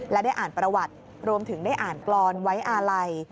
และได้อ่านประวัติรวมถึงได้อ่านกรอนไว้อาลัย